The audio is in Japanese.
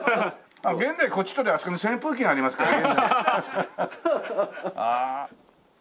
現代はこっち撮りゃあそこに扇風機がありますから。